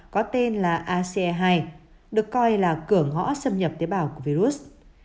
có tên là ase hai được coi là cửa ngõ xâm nhập tế bào của virus